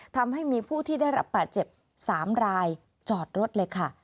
ทำให้มีผู้ที่ได้รับบาดเจ็บ๓รายจอดรถเลยค่ะ